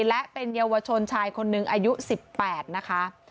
และเป็นเยาวชนชายคนหนึ่งอายุ๑๘นะคะ